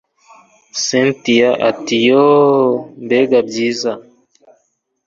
cyntia ati yoooh mbega byiza